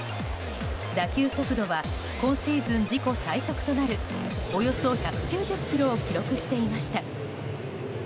打球速度は今シーズン自己最速となるおよそ１９０キロを記録していました。